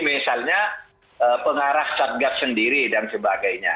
misalnya pengarah satgas sendiri dan sebagainya